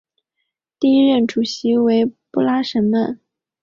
第一任主席为布拉什曼。